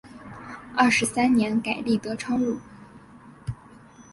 二十三年改隶德昌路。